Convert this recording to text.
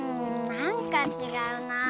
なんかちがうな。